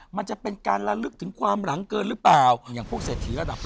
มันจะเป็นการระลึกถึงความหลังเกินรึเปล่า